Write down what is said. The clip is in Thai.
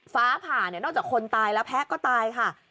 ฟ้าผ่าเนี่ยนอกจากคนตายแล้วแพ้ก็ตายค่ะ